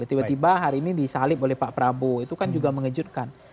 tiba tiba hari ini disalib oleh pak prabowo itu kan juga mengejutkan